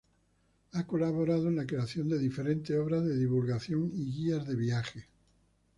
Ha colaborado en la creación de diferentes obras de divulgación y guías de viaje.